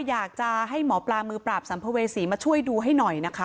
อยากจะให้หมอปลามือปราบสัมภเวษีมาช่วยดูให้หน่อยนะคะ